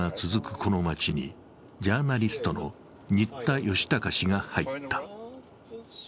この街にジャーナリストの新田義貴氏が入った。